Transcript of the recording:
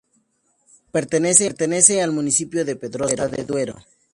Pertenece al municipio de Pedrosa de Duero.